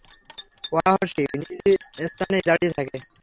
ওয়াহশী নিজ স্থানেই দাঁড়িয়ে থাকে।